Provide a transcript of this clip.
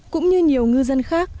cũng như nhiều ngư dân khác